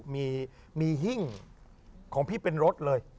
มีหิ้งของพี่เป็นรถเลย